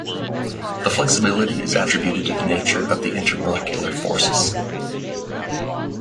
The flexibility is attributed to the nature of the intermolecular forces.